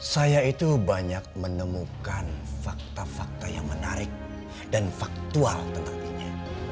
saya itu banyak menemukan fakta fakta yang menarik dan faktual tentangnya